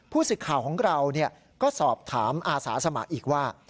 สิทธิ์ข่าวของเราก็สอบถามอาสาสมัครอีกว่า